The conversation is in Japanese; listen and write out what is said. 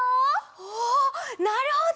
おおなるほど！